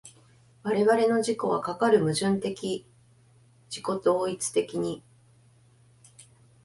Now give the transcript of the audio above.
我々の自己はかかる矛盾的自己同一的に